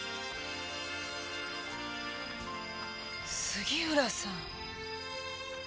杉浦さん。